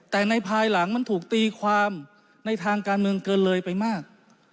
แต่ในภายหลังมันถูกตีความในทางการเมืองเกินเลยไปมาก